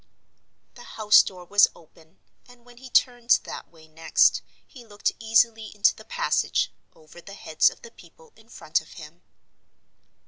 The house door was open; and when he turned that way next, he looked easily into the passage, over the heads of the people in front of him.